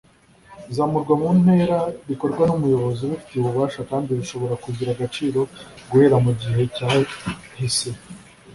Izamurwa mu ntera rikorwa n’umuyobozi ubifitiye ububasha kandi rishobora kugira agaciro guhera mu gihe cyahise